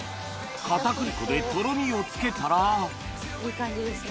片栗粉でとろみをつけたらいい感じですね。